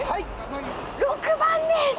６番です。